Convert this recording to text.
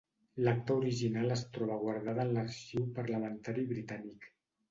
L'acta original es troba guardada en l'Arxiu Parlamentari britànic.